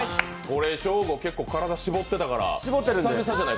ショーゴ、結構体しぼってたから久々じゃない？